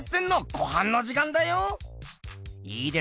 いいですね！